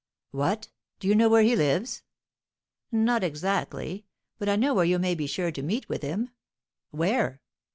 "What? Do you know where he lives?" "Not exactly, but I know where you may be sure to meet with him." "Where?"